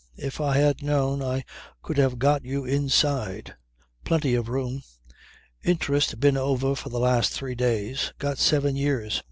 . If I had known I could have got you inside. Plenty of room. Interest been over for the last three days. Got seven years.